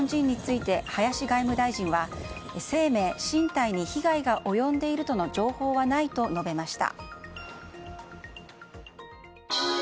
一方、現地の日本人について林外務大臣は生命、身体に被害が及んでいるとの情報はないと述べました。